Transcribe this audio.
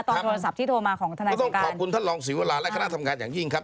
ตอนโทรศัพท์ที่โทรมาของธนัยศัพท์ก็ต้องขอบคุณท่านรองศิวราตร์และคณะทำการอย่างยิ่งครับ